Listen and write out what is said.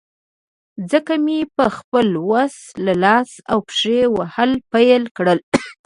ځکه مې په خپل وس، لاس او پښې وهل پیل کړل.